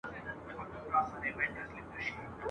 شوم نهر وه په خپل ځان پوري حیران وه !.